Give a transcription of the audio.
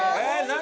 何？